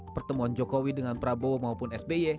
pertemuan jokowi dengan prabowo maupun sby